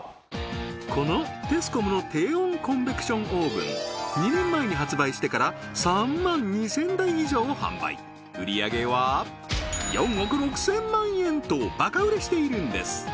このテスコムの低温コンベクションオーブン２年前に発売してから３万２０００台以上を販売売り上げは４億６０００万円とバカ売れしているんです！